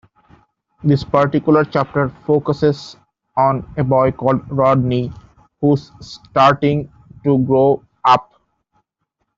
This particular chapter focusses on a boy called Rodney, who's starting to grow up.